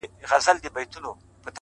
هره پوښتنه د حقیقت لور ته ګام دی،